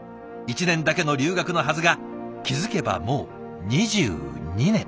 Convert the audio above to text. １年だけの留学のはずが気付けばもう２２年。